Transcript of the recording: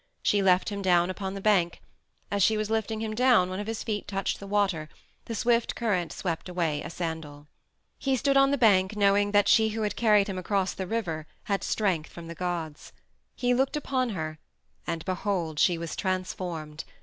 She left him down upon the bank. As she was lifting him down one of his feet touched the water; the swift current swept away a sandal. He stood on the bank knowing that she who had carried him across the flooded river had strength from the gods. He looked upon her, and behold! she was transformed.